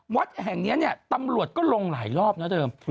วัดแห่งนี้เนี่ยตำรวจก็ลงหลายรอบนะเดิม